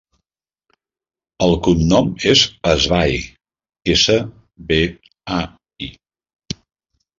El cognom és Sbai: essa, be, a, i.